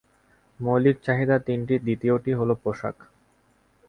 মৌলিক চাহিদা তিনটির দ্বিতীয়টি হলো পোশাক।